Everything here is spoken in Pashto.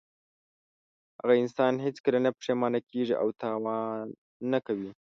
هغه انسان هېڅکله نه پښېمانه کیږي او تاوان نه کوي.